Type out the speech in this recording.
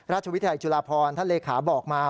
ราชวิทยาลัยจุฬาพรท่านเลขาบอกมา